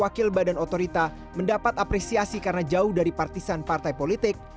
meski kepala dan wakil badan otorita mendapat apresiasi karena jauh dari partisan partai politik